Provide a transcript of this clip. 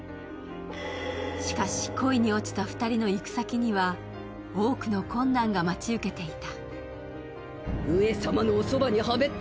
しかし、恋におちた２人の行く先には多くの困難が待ち受けていた。